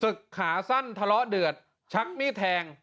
ขาสั้นทะเลาะเดือดชักมีดแทง